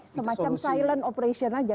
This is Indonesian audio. semacam silent operation saja